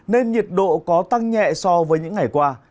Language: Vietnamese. nên nhiệt độ có tăng nhẹ so với những ngày qua